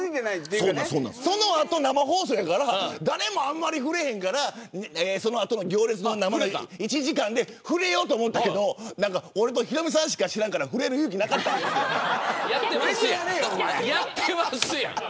その後、生放送やから誰もあんまり触れないから行列の１時間で触れようと思ったけど俺とヒロミさんしか知らんかったからやってますやん。